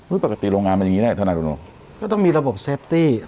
อุ๊ยปกติโรงงานมันอย่างงี้ได้ธนาคตุลงก็ต้องมีระบบเซฟตี้